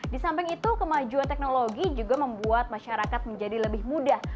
di samping itu kemajuan teknologi juga membuat masyarakat menjadi lebih mudah